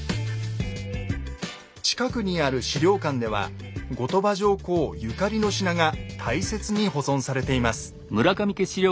近くにある資料館では後鳥羽上皇ゆかりの品が大切に保存されています。